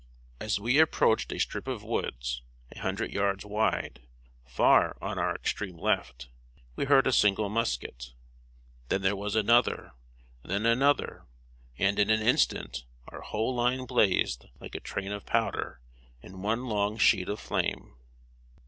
As we approached a strip of woods, a hundred yards wide, far on our extreme left, we heard a single musket. Then there was another, then another, and in an instant our whole line blazed like a train of powder, in one long sheet of flame.